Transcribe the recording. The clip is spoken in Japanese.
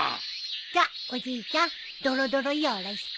じゃあおじいちゃんドロドロよろしく。